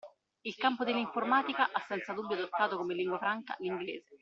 Il campo dell’informatica ha senza dubbio adottato come lingua franca l’inglese.